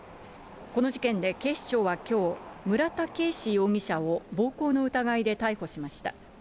この事件で警視庁はきょう、村田けいし容疑者を暴行の疑いで逮捕しました。